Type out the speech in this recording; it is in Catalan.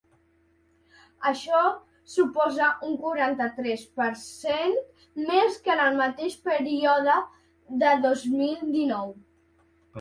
Això suposa un quaranta-tres per cent més que en el mateix període de dos mil dinou.